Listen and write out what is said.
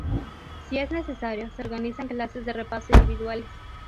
Si es necesario, se organizan clases de repaso individuales.